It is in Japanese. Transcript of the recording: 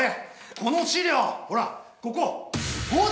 この資料、ほらここ、誤字！